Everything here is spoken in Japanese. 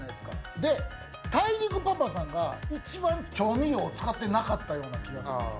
で、大陸パパさんが一番調味料使ってなかったような気がするんですよ。